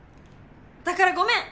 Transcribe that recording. だからごめん！